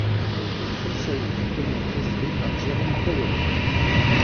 Le conseil est actuellement présidé par Jerome Powell.